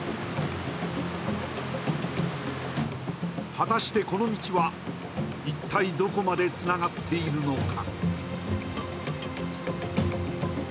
果たして、この道は一体どこまでつながっているのか？